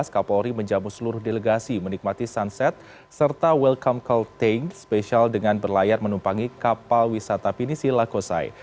kapolri menjamu seluruh delegasi menikmati sunset serta welcome call tank spesial dengan berlayar menumpangi kapal wisata pinisi lakosai